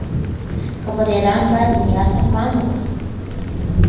خبريالان بايد معيار ته پام وکړي.